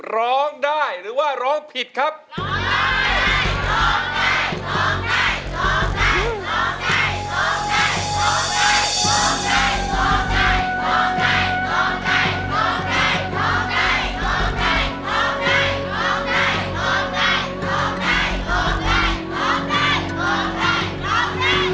ร้องได้ร้องได้ร้องได้